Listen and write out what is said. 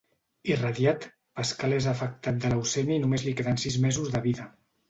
Irradiat, Pascal és afectat de leucèmia i només li queden sis mesos de vida.